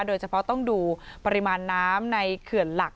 โดยเฉพาะต้องดูปริมาณน้ำในเขื่อนหลัก